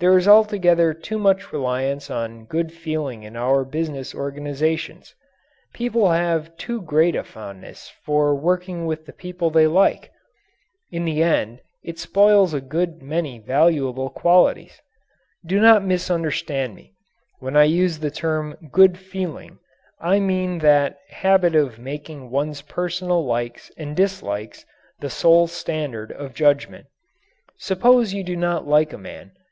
There is altogether too much reliance on good feeling in our business organizations. People have too great a fondness for working with the people they like. In the end it spoils a good many valuable qualities. Do not misunderstand me; when I use the term "good feeling" I mean that habit of making one's personal likes and dislikes the sole standard of judgment. Suppose you do not like a man.